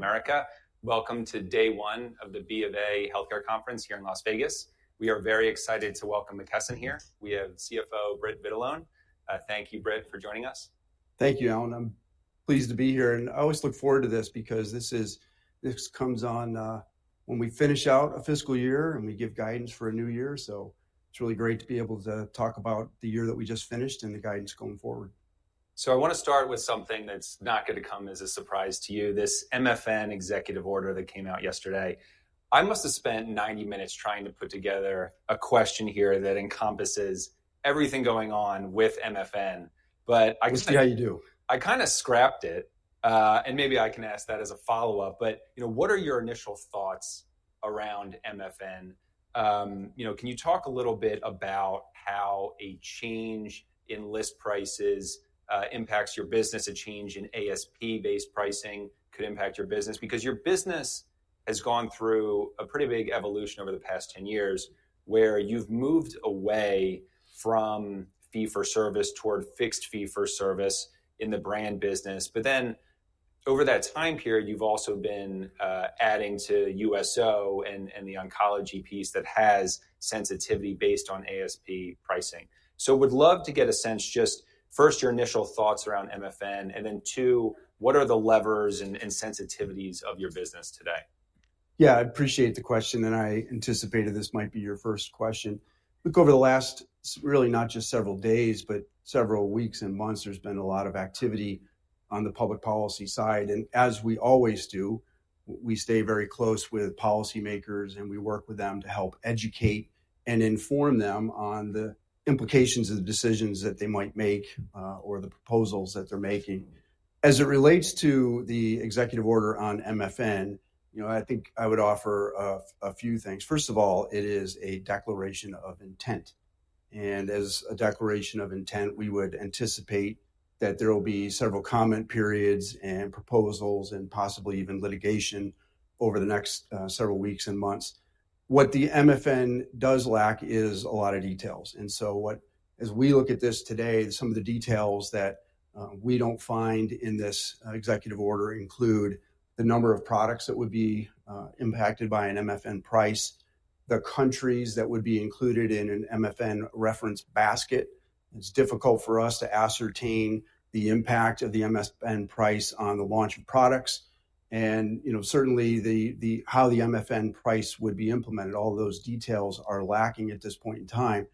Here at Bank of America, welcome to day one of the B of A Healthcare Conference here in Las Vegas. We are very excited to welcome McKesson here. We have CFO Britt Vitalone. Thank you, Britt, for joining us. Thank you, Allen. I'm pleased to be here, and I always look forward to this because this comes on when we finish out a fiscal year and we give guidance for a new year. It is really great to be able to talk about the year that we just finished and the guidance going forward. I want to start with something that's not going to come as a surprise to you, this MFN executive order that came out yesterday. I must have spent 90 minutes trying to put together a question here that encompasses everything going on with MFN, but I just. Yeah, you do. I kind of scrapped it, and maybe I can ask that as a follow-up, but what are your initial thoughts around MFN? Can you talk a little bit about how a change in list prices impacts your business, a change in ASP-based pricing could impact your business? Because your business has gone through a pretty big evolution over the past 10 years where you've moved away from fee-for-service toward fixed fee-for-service in the brand business, but then over that time period, you've also been adding to USO and the oncology piece that has sensitivity based on ASP pricing. I would love to get a sense, just first, your initial thoughts around MFN, and then two, what are the levers and sensitivities of your business today? Yeah, I appreciate the question, and I anticipated this might be your first question. Look, over the last, really not just several days, but several weeks and months, there's been a lot of activity on the public policy side. As we always do, we stay very close with policymakers, and we work with them to help educate and inform them on the implications of the decisions that they might make or the proposals that they're making. As it relates to the executive order on MFN, I think I would offer a few things. First of all, it is a declaration of intent. As a declaration of intent, we would anticipate that there will be several comment periods and proposals and possibly even litigation over the next several weeks and months. What the MFN does lack is a lot of details. As we look at this today, some of the details that we don't find in this executive order include the number of products that would be impacted by an MFN price, the countries that would be included in an MFN reference basket. It is difficult for us to ascertain the impact of the MFN price on the launch of products. Certainly, how the MFN price would be implemented, all those details are lacking at this point in time.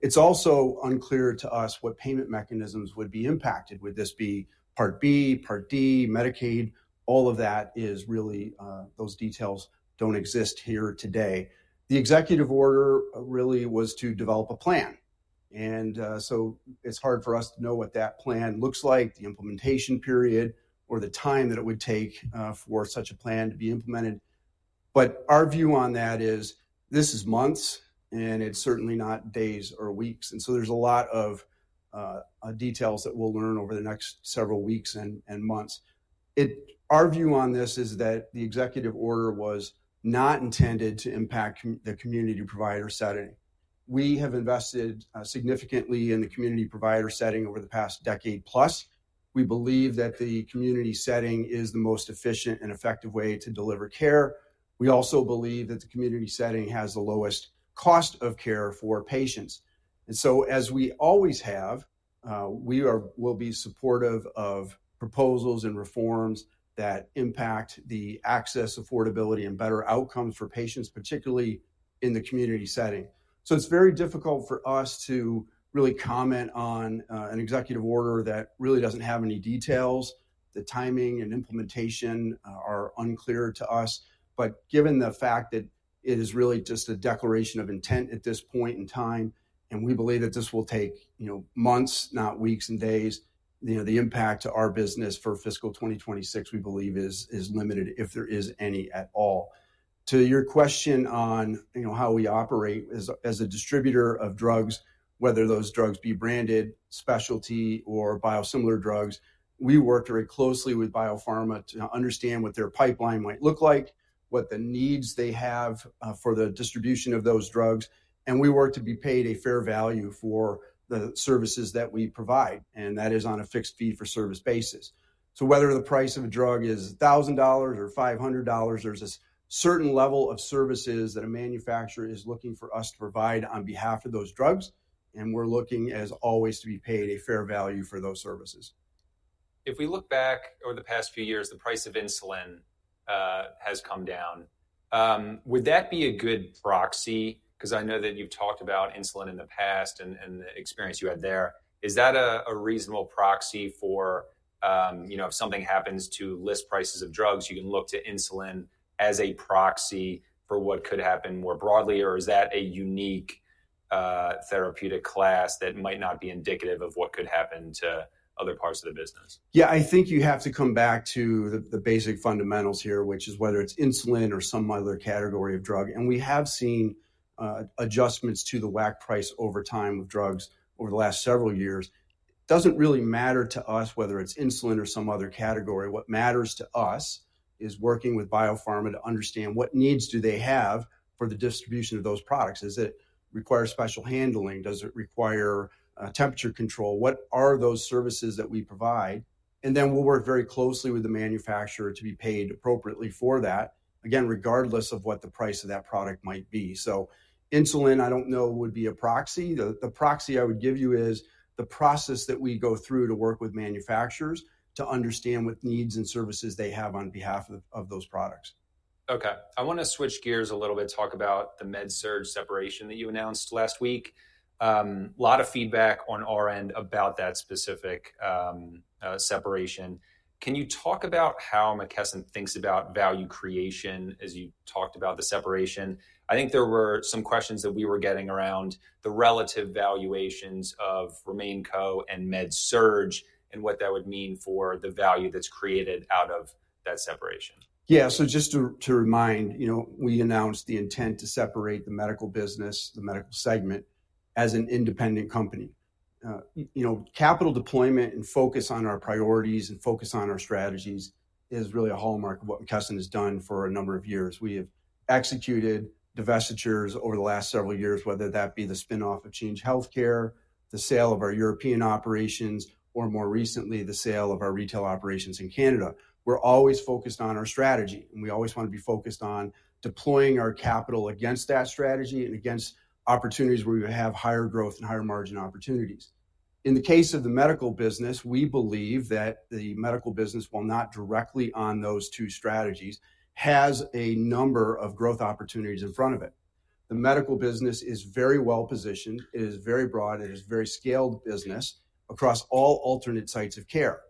It's also unclear to us what payment mechanisms would be impacted. Would this be Part B, Part D, Medicaid? All of that is really, those details don't exist here today. The executive order really was to develop a plan. It is hard for us to know what that plan looks like, the implementation period, or the time that it would take for such a plan to be implemented. Our view on that is this is months, and it's certainly not days or weeks. There's a lot of details that we'll learn over the next several weeks and months. Our view on this is that the executive order was not intended to impact the community provider setting. We have invested significantly in the community provider setting over the past decade-plus. We believe that the community setting is the most efficient and effective way to deliver care. We also believe that the community setting has the lowest cost of care for patients. As we always have, we will be supportive of proposals and reforms that impact the access, affordability, and better outcomes for patients, particularly in the community setting. It's very difficult for us to really comment on an executive order that really doesn't have any details. The timing and implementation are unclear to us. Given the fact that it is really just a declaration of intent at this point in time, and we believe that this will take months, not weeks and days, the impact to our business for fiscal 2026, we believe, is limited, if there is any at all. To your question on how we operate as a distributor of drugs, whether those drugs be branded, specialty, or biosimilar drugs, we work very closely with biopharma to understand what their pipeline might look like, what the needs they have for the distribution of those drugs. We work to be paid a fair value for the services that we provide, and that is on a fixed fee-for-service basis. Whether the price of a drug is $1,000 or $500, there's a certain level of services that a manufacturer is looking for us to provide on behalf of those drugs. And we're looking, as always, to be paid a fair value for those services. If we look back over the past few years, the price of insulin has come down. Would that be a good proxy? Because I know that you've talked about insulin in the past and the experience you had there. Is that a reasonable proxy for if something happens to list prices of drugs, you can look to insulin as a proxy for what could happen more broadly, or is that a unique therapeutic class that might not be indicative of what could happen to other parts of the business? Yeah, I think you have to come back to the basic fundamentals here, which is whether it's insulin or some other category of drug. We have seen adjustments to the WAC price over time with drugs over the last several years. It doesn't really matter to us whether it's insulin or some other category. What matters to us is working with biopharma to understand what needs do they have for the distribution of those products. Does it require special handling? Does it require temperature control? What are those services that we provide? And then we work very closely with the manufacturer to be paid appropriately for that, again, regardless of what the price of that product might be. Insulin, I don't know, would be a proxy. The proxy I would give you is the process that we go through to work with manufacturers to understand what needs and services they have on behalf of those products. Okay. I want to switch gears a little bit, talk about the MedSurge separation that you announced last week. A lot of feedback on our end about that specific separation. Can you talk about how McKesson thinks about value creation as you talked about the separation? I think there were some questions that we were getting around the relative valuations of RemainCo and MedSurge and what that would mean for the value that's created out of that separation. Yeah, so just to remind, we announced the intent to separate the medical business, the medical segment, as an independent company. Capital deployment and focus on our priorities and focus on our strategies is really a hallmark of what McKesson has done for a number of years. We have executed divestitures over the last several years, whether that be the spinoff of Change Healthcare, the sale of our European operations, or more recently, the sale of our retail operations in Canada. We're always focused on our strategy, and we always want to be focused on deploying our capital against that strategy and against opportunities where we have higher growth and higher margin opportunities. In the case of the medical business, we believe that the medical business, while not directly on those two strategies, has a number of growth opportunities in front of it. The medical business is very well positioned. It is very broad. It is a very scaled business across all alternate sites of care.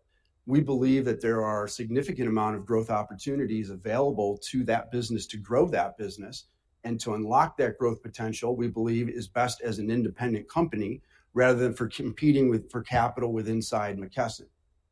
We believe that there are a significant amount of growth opportunities available to that business to grow that business and to unlock that growth potential, we believe, is best as an independent company rather than for competing with for capital with inside McKesson.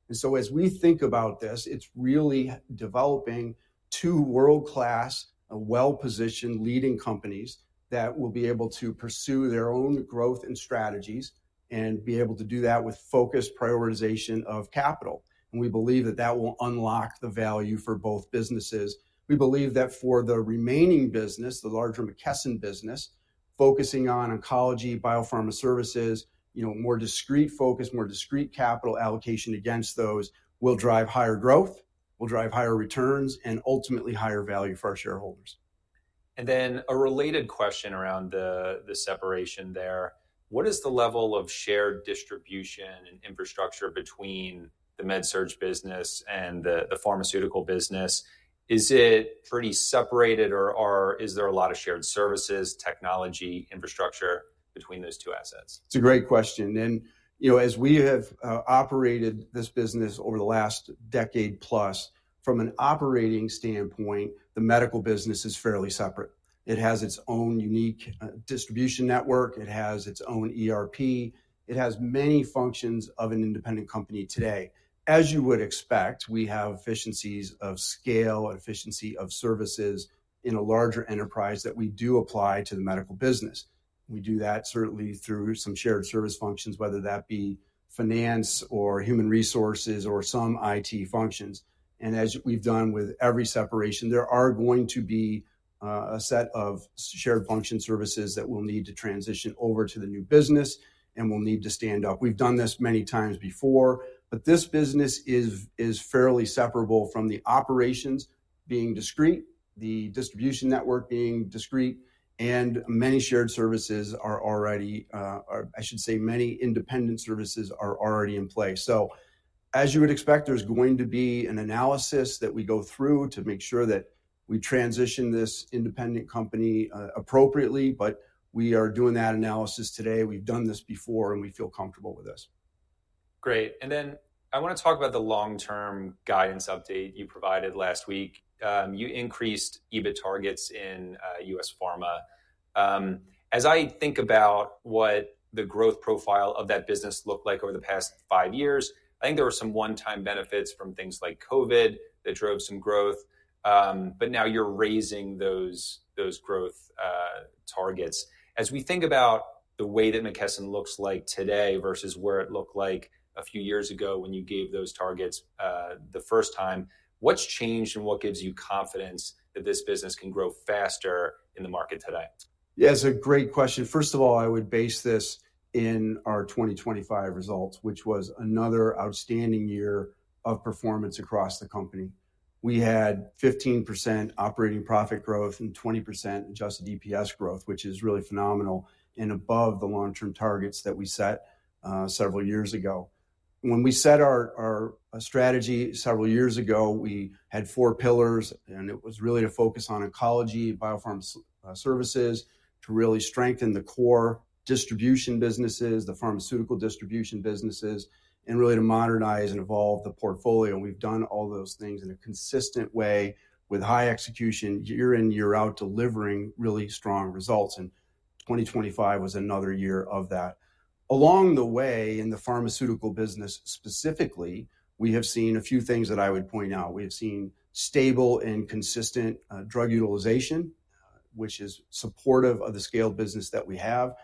As we think about this, it's really developing two world-class, well-positioned leading companies that will be able to pursue their own growth and strategies and be able to do that with focused prioritization of capital. We believe that that will unlock the value for both businesses. We believe that for the remaining business, the larger McKesson business, focusing on oncology, biopharma services, more discreet focus, more discreet capital allocation against those will drive higher growth, will drive higher returns, and ultimately higher value for our shareholders. A related question around the separation there. What is the level of shared distribution and infrastructure between the MedSurge business and the pharmaceutical business? Is it pretty separated, or is there a lot of shared services, technology, infrastructure between those two assets? It's a great question. As we have operated this business over the last decade-plus, from an operating standpoint, the medical business is fairly separate. It has its own unique distribution network. It has its own ERP. It has many functions of an independent company today. As you would expect, we have efficiencies of scale and efficiency of services in a larger enterprise that we do apply to the medical business. We do that certainly through some shared service functions, whether that be finance or human resources or some IT functions. As we've done with every separation, there are going to be a set of shared function services that we'll need to transition over to the new business and we'll need to stand up. We've done this many times before, but this business is fairly separable from the operations being discreet, the distribution network being discreet, and many shared services are already, or I should say many independent services are already in place. As you would expect, there's going to be an analysis that we go through to make sure that we transition this independent company appropriately, but we are doing that analysis today. We've done this before, and we feel comfortable with this. Great. I want to talk about the long-term guidance update you provided last week. You increased EBIT targets in US Pharma. As I think about what the growth profile of that business look like over the past five years, I think there were some one-time benefits from things like COVID that drove some growth, but now you're raising those growth targets. As we think about the way that McKesson looks like today versus where it looked like a few years ago when you gave those targets the first time, what's changed and what gives you confidence that this business can grow faster in the market today? Yeah, it's a great question. First of all, I would base this in our 2025 results, which was another outstanding year of performance across the company. We had 15% operating profit growth and 20% adjusted EPS growth, which is really phenomenal and above the long-term targets that we set several years ago. When we set our strategy several years ago, we had four pillars, and it was really to focus on oncology, biopharma services, to really strengthen the core distribution businesses, the pharmaceutical distribution businesses, and really to modernize and evolve the portfolio. We've done all those things in a consistent way with high execution year in, year out, delivering really strong results. 2025 was another year of that. Along the way in the pharmaceutical business specifically, we have seen a few things that I would point out. We have seen stable and consistent drug utilization, which is supportive of the scale business that we have.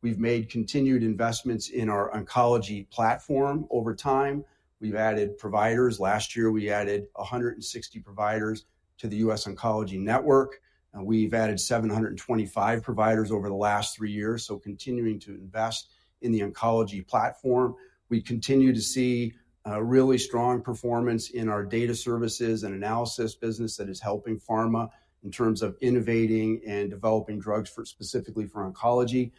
We've made continued investments in our oncology platform over time. We've added providers. Last year, we added 160 providers to the US Oncology Network. We've added 725 providers over the last three years. Continuing to invest in the oncology platform, we continue to see a really strong performance in our data services and analysis business that is helping pharma in terms of innovating and developing drugs specifically for oncology.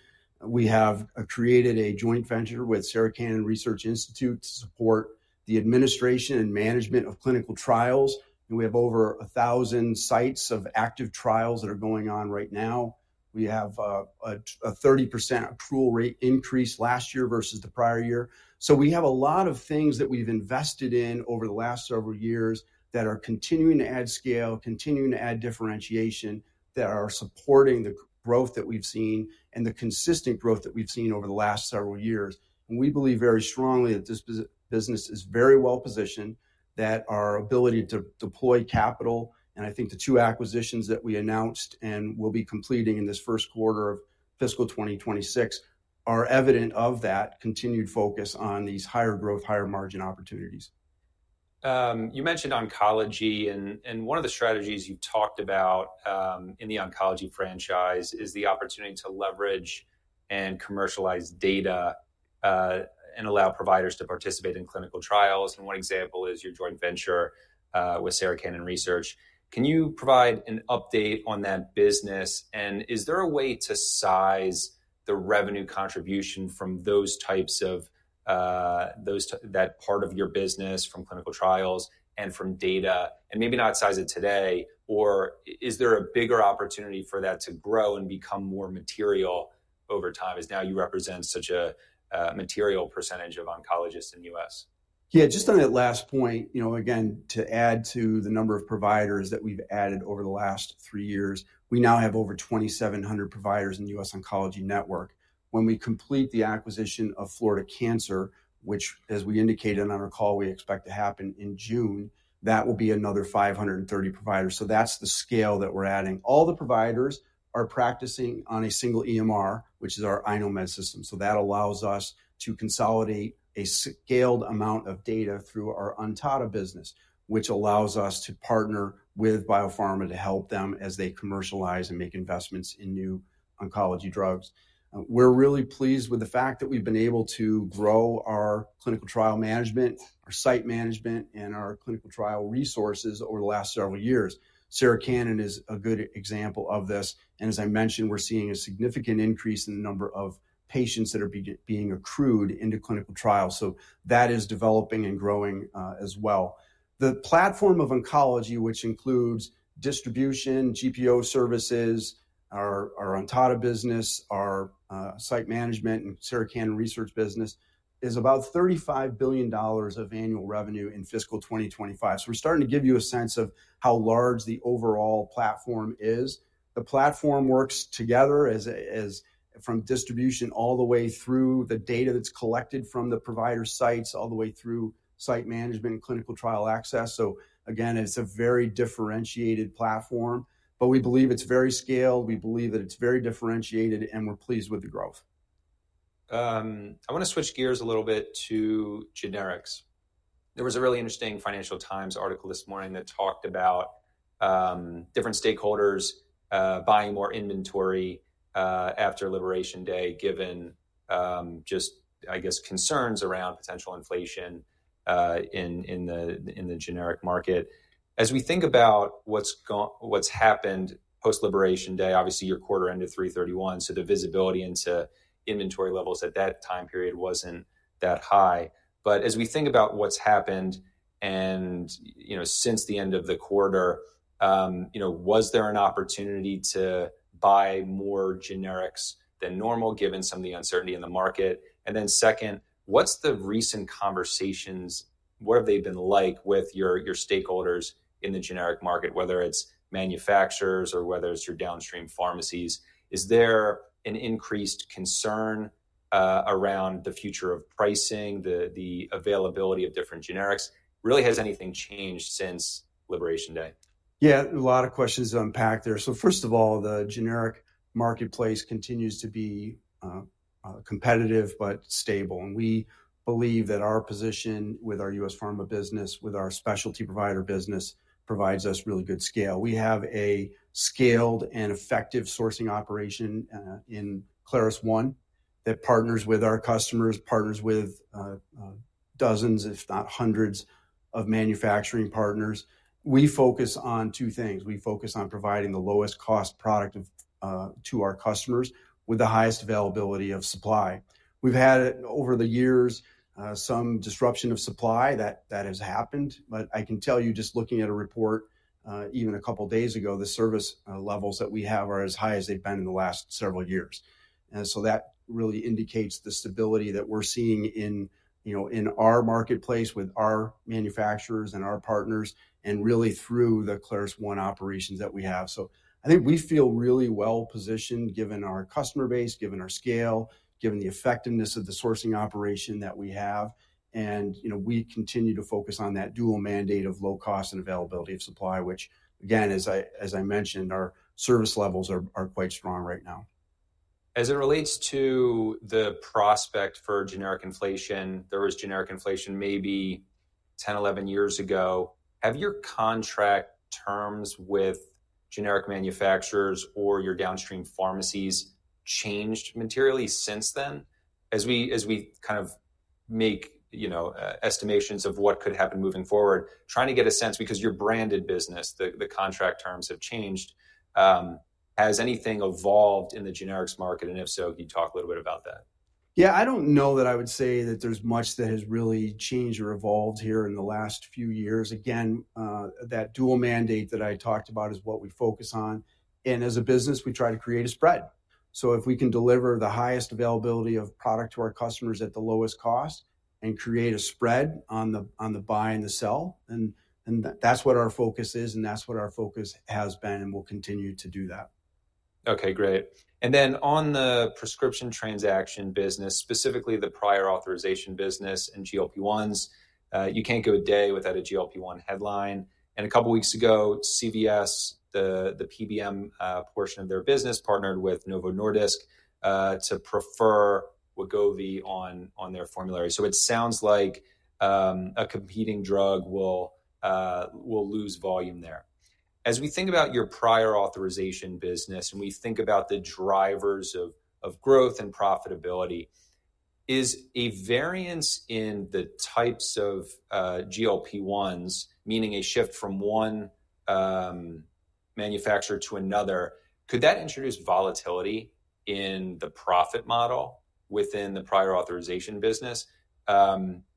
We have created a joint venture with Sarah Cannon Research Institute to support the administration and management of clinical trials. We have over 1,000 sites of active trials that are going on right now. We have a 30% accrual rate increase last year versus the prior year. We have a lot of things that we've invested in over the last several years that are continuing to add scale, continuing to add differentiation that are supporting the growth that we've seen and the consistent growth that we've seen over the last several years. We believe very strongly that this business is very well positioned, that our ability to deploy capital, and I think the two acquisitions that we announced and will be completing in this first quarter of fiscal 2026 are evident of that continued focus on these higher growth, higher margin opportunities. You mentioned oncology, and one of the strategies you've talked about in the oncology franchise is the opportunity to leverage and commercialize data and allow providers to participate in clinical trials. One example is your joint venture with Sarah Cannon Research. Can you provide an update on that business? Is there a way to size the revenue contribution from those types of that part of your business from clinical trials and from data? Maybe not size it today, or is there a bigger opportunity for that to grow and become more material over time as now you represent such a material percentage of oncologists in the U.S.? Yeah, just on that last point, again, to add to the number of providers that we've added over the last three years, we now have over 2,700 providers in the US Oncology Network. When we complete the acquisition of Florida Cancer, which, as we indicated on our call, we expect to happen in June, that will be another 530 providers. That's the scale that we're adding. All the providers are practicing on a single EMR, which is our iKnowMed system. That allows us to consolidate a scaled amount of data through our Ontada business, which allows us to partner with biopharma to help them as they commercialize and make investments in new oncology drugs. We're really pleased with the fact that we've been able to grow our clinical trial management, our site management, and our clinical trial resources over the last several years. Sarah Cannon is a good example of this. As I mentioned, we're seeing a significant increase in the number of patients that are being accrued into clinical trials. That is developing and growing as well. The platform of oncology, which includes distribution, GPO services, our Ontada business, our site management, and Sarah Cannon Research business, is about $35 billion of annual revenue in fiscal 2025. We're starting to give you a sense of how large the overall platform is. The platform works together from distribution all the way through the data that's collected from the provider sites all the way through site management and clinical trial access. It is a very differentiated platform, but we believe it's very scaled. We believe that it's very differentiated, and we're pleased with the growth. I want to switch gears a little bit to generics. There was a really interesting Financial Times article this morning that talked about different stakeholders buying more inventory after Liberation Day, given just, I guess, concerns around potential inflation in the generic market. As we think about what's happened post-Liberation Day, obviously, your quarter ended 3, 31, so the visibility into inventory levels at that time period wasn't that high. As we think about what's happened since the end of the quarter, was there an opportunity to buy more generics than normal, given some of the uncertainty in the market? Second, what's the recent conversations? What have they been like with your stakeholders in the generic market, whether it's manufacturers or whether it's your downstream pharmacies? Is there an increased concern around the future of pricing, the availability of different generics? Really, has anything changed since Liberation Day? Yeah, a lot of questions to unpack there. First of all, the generic marketplace continues to be competitive but stable. We believe that our position with our US Pharma business, with our specialty provider business, provides us really good scale. We have a scaled and effective sourcing operation in ClarusONE, they're partners with our customers, partners with dozens, if not hundreds, of manufacturing partners. We focus on two things. We focus on providing the lowest cost product to our customers with the highest availability of supply. We've had over the years some disruption of supply that has happened, but I can tell you, just looking at a report even a couple of days ago, the service levels that we have are as high as they've been in the last several years. That really indicates the stability that we're seeing in our marketplace with our manufacturers and our partners and really through the ClarusONE operations that we have. I think we feel really well positioned, given our customer base, given our scale, given the effectiveness of the sourcing operation that we have. We continue to focus on that dual mandate of low cost and availability of supply, which, again, as I mentioned, our service levels are quite strong right now. As it relates to the prospect for generic inflation, there was generic inflation maybe 10, 11 years ago. Have your contract terms with generic manufacturers or your downstream pharmacies changed materially since then? As we kind of make estimations of what could happen moving forward, trying to get a sense, because your branded business, the contract terms have changed. Has anything evolved in the generics market? If so, can you talk a little bit about that? Yeah, I don't know that I would say that there's much that has really changed or evolved here in the last few years. Again, that dual mandate that I talked about is what we focus on. As a business, we try to create a spread. If we can deliver the highest availability of product to our customers at the lowest cost and create a spread on the buy and the sell, that's what our focus is, and that's what our focus has been and we'll continue to do that. Okay, great. On the prescription transaction business, specifically the prior authorization business and GLP-1s, you cannot go a day without a GLP-1 headline. A couple of weeks ago, CVS, the PBM portion of their business, partnered with Novo Nordisk to prefer Wegovy on their formulary. It sounds like a competing drug will lose volume there. As we think about your prior authorization business and we think about the drivers of growth and profitability, is a variance in the types of GLP-1s, meaning a shift from one manufacturer to another, could that introduce volatility in the profit model within the prior authorization business?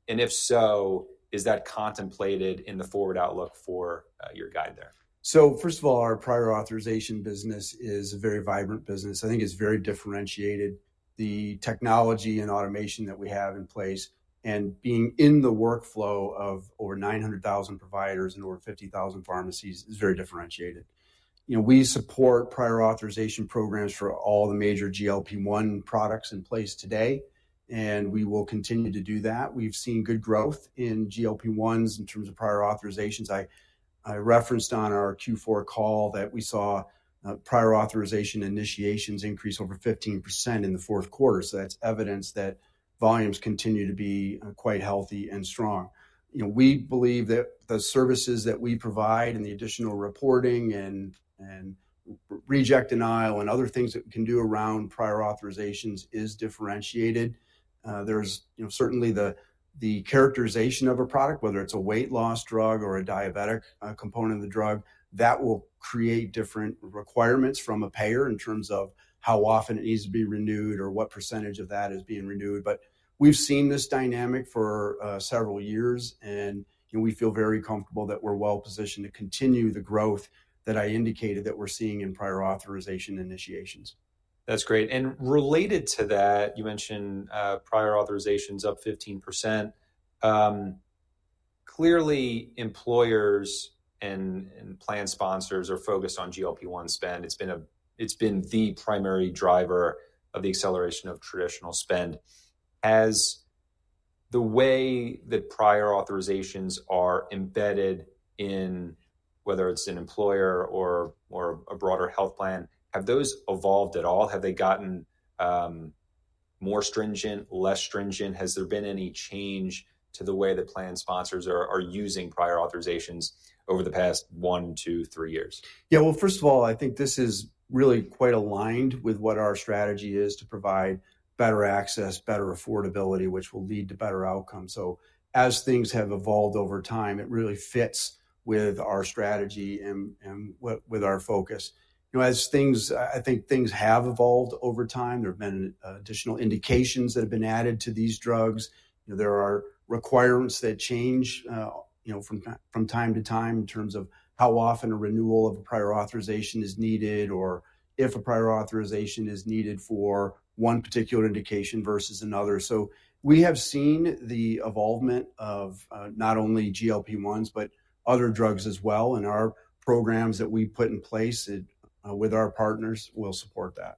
If so, is that contemplated in the forward outlook for your guide there? First of all, our prior authorization business is a very vibrant business. I think it's very differentiated. The technology and automation that we have in place and being in the workflow of over 900,000 providers and over 50,000 pharmacies is very differentiated. We support prior authorization programs for all the major GLP-1 products in place today, and we will continue to do that. We've seen good growth in GLP-1s in terms of prior authorizations. I referenced on our Q4 call that we saw prior authorization initiations increase over 15% in the fourth quarter. That's evidence that volumes continue to be quite healthy and strong. We believe that the services that we provide and the additional reporting and reject denial and other things that we can do around prior authorizations is differentiated. There's certainly the characterization of a product, whether it's a weight loss drug or a diabetic component of the drug, that will create different requirements from a payer in terms of how often it needs to be renewed or what percentage of that is being renewed. We've seen this dynamic for several years, and we feel very comfortable that we're well positioned to continue the growth that I indicated that we're seeing in prior authorization initiations. That's great. And related to that, you mentioned prior authorizations up 15%. Clearly, employers and plan sponsors are focused on GLP-1 spend. It's been the primary driver of the acceleration of traditional spend. Has the way that prior authorizations are embedded in, whether it's an employer or a broader health plan, have those evolved at all? Have they gotten more stringent, less stringent? Has there been any change to the way that plan sponsors are using prior authorizations over the past one, two, three years? Yeah, first of all, I think this is really quite aligned with what our strategy is to provide better access, better affordability, which will lead to better outcomes. As things have evolved over time, it really fits with our strategy and with our focus. I think things have evolved over time. There have been additional indications that have been added to these drugs. There are requirements that change from time to time in terms of how often a renewal of a prior authorization is needed or if a prior authorization is needed for one particular indication versus another. We have seen the evolvement of not only GLP-1s, but other drugs as well. Our programs that we put in place with our partners will support that.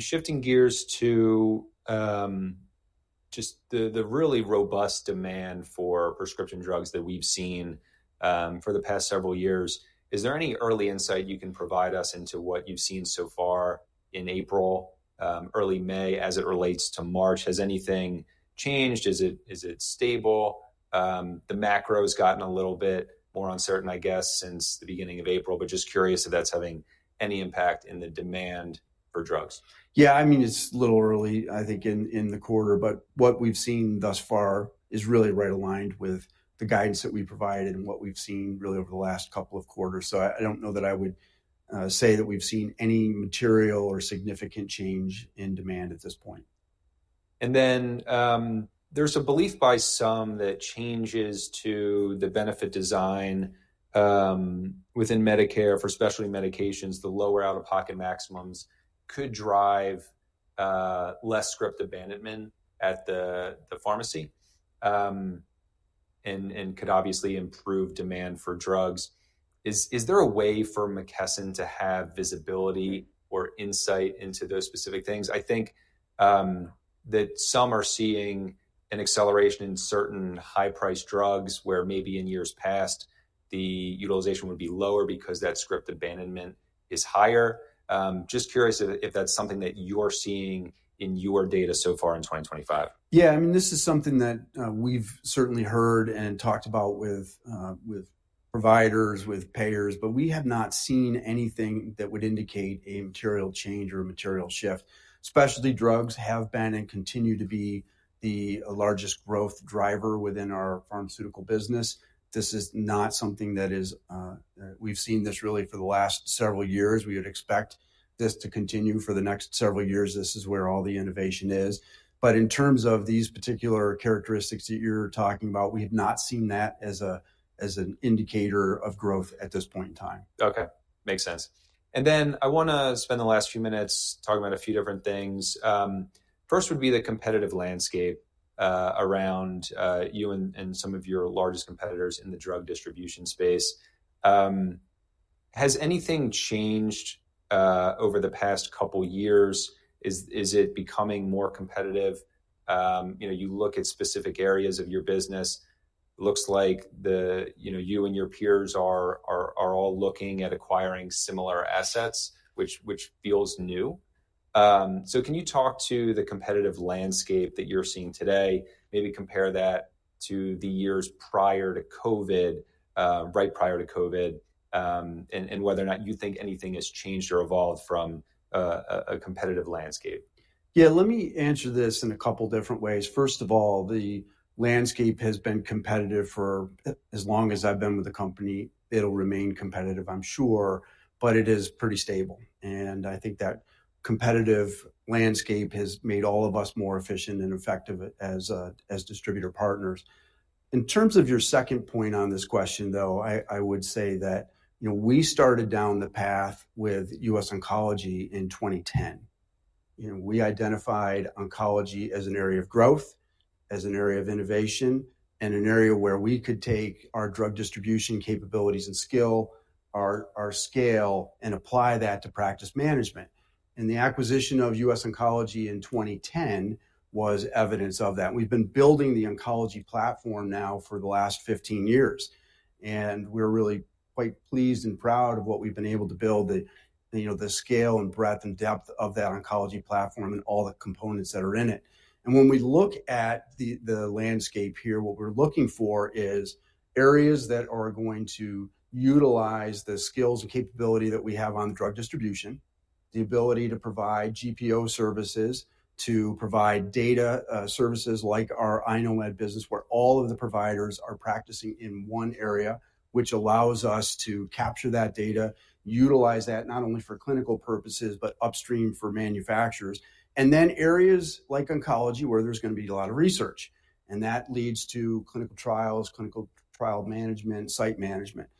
Shifting gears to just the really robust demand for prescription drugs that we've seen for the past several years, is there any early insight you can provide us into what you've seen so far in April, early May, as it relates to March? Has anything changed? Is it stable? The macro has gotten a little bit more uncertain, I guess, since the beginning of April, but just curious if that's having any impact in the demand for drugs. Yeah, I mean, it's a little early, I think, in the quarter, but what we've seen thus far is really right aligned with the guidance that we provided and what we've seen really over the last couple of quarters. I don't know that I would say that we've seen any material or significant change in demand at this point. There is a belief by some that changes to the benefit design within Medicare for specialty medications, the lower out-of-pocket maximums, could drive less script abandonment at the pharmacy and could obviously improve demand for drugs. Is there a way for McKesson to have visibility or insight into those specific things? I think that some are seeing an acceleration in certain high-priced drugs where maybe in years past, the utilization would be lower because that script abandonment is higher. Just curious if that is something that you are seeing in your data so far in 2025. Yeah, I mean, this is something that we've certainly heard and talked about with providers, with payers, but we have not seen anything that would indicate a material change or a material shift. Specialty drugs have been and continue to be the largest growth driver within our pharmaceutical business. This is not something that we've seen this really for the last several years. We would expect this to continue for the next several years. This is where all the innovation is. In terms of these particular characteristics that you're talking about, we have not seen that as an indicator of growth at this point in time. Okay, makes sense. I want to spend the last few minutes talking about a few different things. First would be the competitive landscape around you and some of your largest competitors in the drug distribution space. Has anything changed over the past couple of years? Is it becoming more competitive? You look at specific areas of your business. It looks like you and your peers are all looking at acquiring similar assets, which feels new. Can you talk to the competitive landscape that you're seeing today? Maybe compare that to the years prior to COVID, right prior to COVID, and whether or not you think anything has changed or evolved from a competitive landscape. Yeah, let me answer this in a couple of different ways. First of all, the landscape has been competitive for as long as I've been with the company. It'll remain competitive, I'm sure, but it is pretty stable. I think that competitive landscape has made all of us more efficient and effective as distributor partners. In terms of your second point on this question, though, I would say that we started down the path with US Oncology in 2010. We identified oncology as an area of growth, as an area of innovation, and an area where we could take our drug distribution capabilities and skill, our scale, and apply that to practice management. The acquisition of US Oncology in 2010 was evidence of that. We've been building the oncology platform now for the last 15 years. We are really quite pleased and proud of what we have been able to build, the scale and breadth and depth of that oncology platform and all the components that are in it. When we look at the landscape here, what we are looking for is areas that are going to utilize the skills and capability that we have on drug distribution, the ability to provide GPO services, to provide data services like our iKnowMed business, where all of the providers are practicing in one area, which allows us to capture that data, utilize that not only for clinical purposes, but upstream for manufacturers. And then areas like oncology, where there is going to be a lot of research, and that leads to clinical trials, clinical trial management, site management.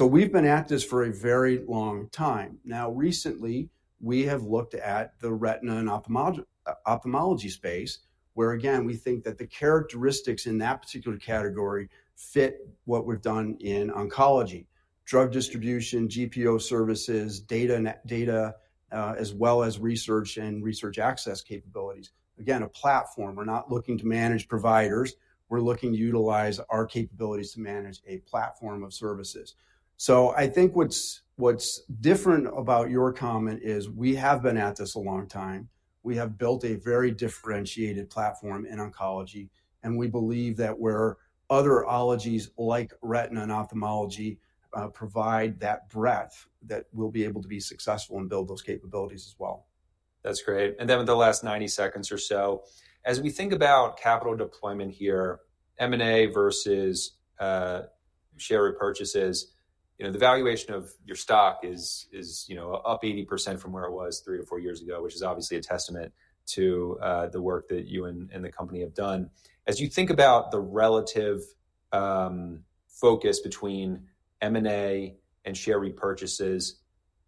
We have been at this for a very long time. Now, recently, we have looked at the retina and ophthalmology space, where, again, we think that the characteristics in that particular category fit what we've done in oncology, drug distribution, GPO services, data, as well as research and research access capabilities. Again, a platform. We're not looking to manage providers. We're looking to utilize our capabilities to manage a platform of services. I think what's different about your comment is we have been at this a long time. We have built a very differentiated platform in oncology. We believe that where other ologies like retina and ophthalmology provide that breadth, that we'll be able to be successful and build those capabilities as well. That's great. Then with the last 90 seconds or so, as we think about capital deployment here, M&A versus share repurchases, the valuation of your stock is up 80% from where it was three to four years ago, which is obviously a testament to the work that you and the company have done. As you think about the relative focus between M&A and share repurchases,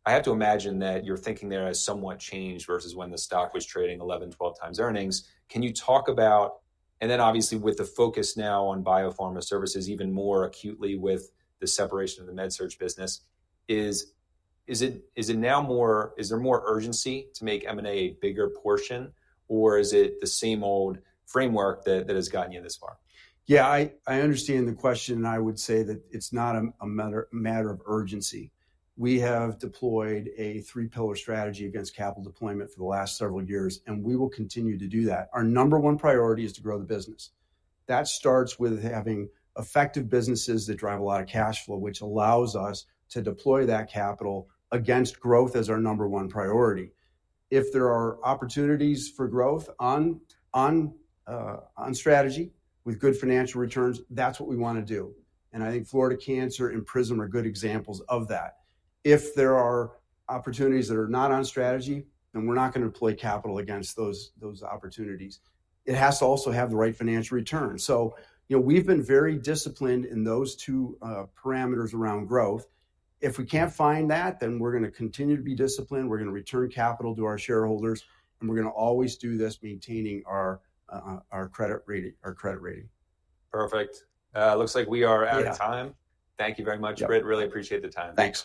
I have to imagine that your thinking there has somewhat changed versus when the stock was trading 11-12 times earnings. Can you talk about, and then obviously with the focus now on biopharma services even more acutely with the separation of the MedSurge business, is it now more, is there more urgency to make M&A a bigger portion, or is it the same old framework that has gotten you this far? Yeah, I understand the question. I would say that it's not a matter of urgency. We have deployed a three-pillar strategy against capital deployment for the last several years, and we will continue to do that. Our number one priority is to grow the business. That starts with having effective businesses that drive a lot of cash flow, which allows us to deploy that capital against growth as our number one priority. If there are opportunities for growth on strategy with good financial returns, that's what we want to do. I think Florida Cancer and Prism are good examples of that. If there are opportunities that are not on strategy, then we're not going to deploy capital against those opportunities. It has to also have the right financial return. We have been very disciplined in those two parameters around growth. If we can't find that, then we're going to continue to be disciplined. We're going to return capital to our shareholders, and we're going to always do this, maintaining our credit rating. Perfect. Looks like we are out of time. Thank you very much, Britt. Really appreciate the time. Thanks.